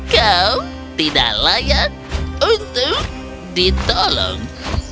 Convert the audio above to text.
kau tidak layak untuk ditolong